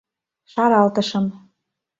Шаралтышым.